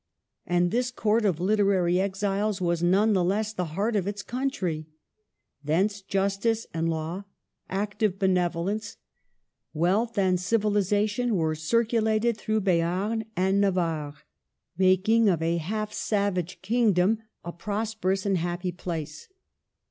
And this court of literary exiles was none the less the heart of its country; thence justice and law, active beneficence, wealth, and civilization were circulated through Bearn and Navarre, making of a half savage kingdom a prosperous and happy place.